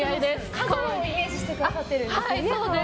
火山をイメージしてくださってるんですよね。